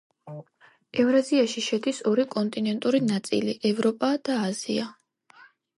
ევრაზიაში შედის ორი კონტინენტური ნაწილი: ევროპა და აზია.